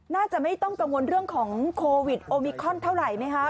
น่าจะไม่ต้องกังวลเรื่องของโควิดโอมิคอนเท่าไหร่ไหมคะ